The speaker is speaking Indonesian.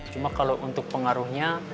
cuma kalau untuk pengaruhnya